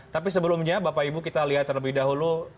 tapi sebelumnya bapak ibu kita lihat terlebih dahulu